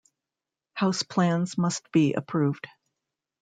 House plans must be approved.